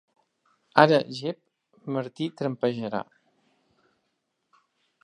Ara, Jep, Martí trampejarà.